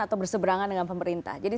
atau berseberangan dengan pemerintah jadi